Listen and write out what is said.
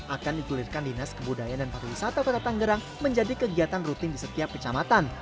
akan dituliskan dinas kebudayaan dan paku wisata kota tangerang menjadi kegiatan rutin di setiap pecamatan